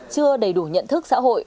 chưa đầy đủ nhận thức xã hội